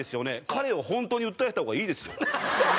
彼を本当に訴えた方がいいですよ。